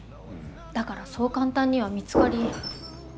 だからそう簡単には見つかり。